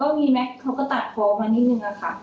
ก็มีไหมเขาก็ตัดพอมานิดหนึ่งค่ะ